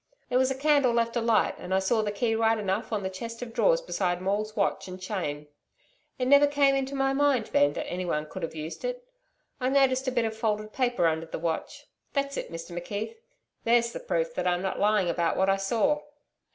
There was a candle left alight, and I saw the key right enough on the chest of drawers beside Maule's watch and chain. It never came into my mind then, that anybody could have used it. I noticed a bit of folded paper under the watch. That's it, Mr McKeith. There's the proof that I am not lying about what I saw.'